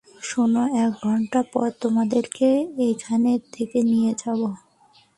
শোনো, এক ঘন্টা পর তোমাদেরকে এখান থেকে নিয়ে যাব!